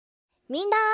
みんな！